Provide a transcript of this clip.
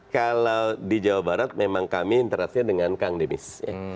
kalau di jawa barat memang kami interaksinya dengan kang demis